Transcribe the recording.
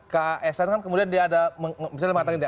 ke asn kan kemudian dia ada